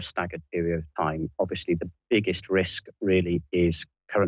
สิ่งที่สำคัญที่สำคัญคือเวลาที่มันเติมขึ้น